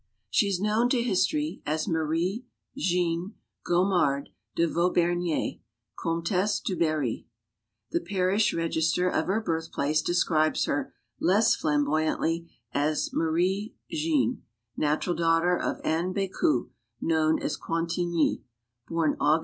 She is known to history as "Marie Jeanne Gomard de Vaubernier, Comtesse du Barry." The parish reg ister of her birthplace describes her, less flamboyantly, as "Marie Jeanne, natural daughter of Anne Becu, known as Quantigny; born Aug.